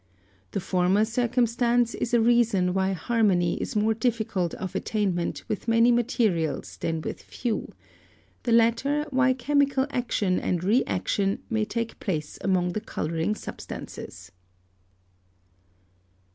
The former circumstance is a reason why harmony is more difficult of attainment with many materials than with few, the latter, why chemical action and re action may take place among the colouring substances.